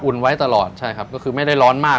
ไว้ตลอดใช่ครับก็คือไม่ได้ร้อนมาก